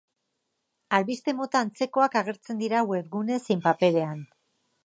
Albiste mota antzekoak agertzen dira webgune zein paperean.